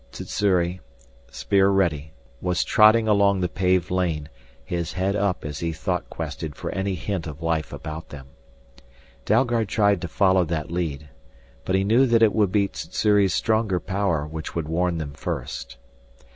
Sssuri, spear ready, was trotting along the paved lane, his head up as he thought quested for any hint of life about them. Dalgard tried to follow that lead. But he knew that it would be Sssuri's stronger power which would warn them first.